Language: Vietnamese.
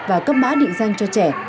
và cấp mã định danh cho trẻ